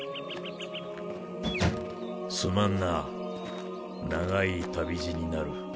すまんな長い旅路になる。